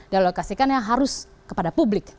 dilokasikan yang harus kepada publik